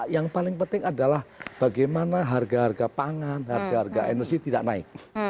yang paling penting adalah bagaimana harga harga pangan harga harga energi tidak naik